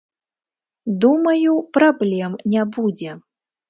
Думаю, праблем не будзе.